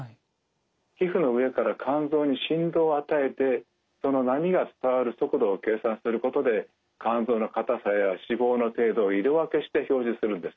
皮膚の上から肝臓に振動を与えてその波が伝わる速度を計算することで肝臓の硬さや脂肪の程度を色分けして表示するんですね。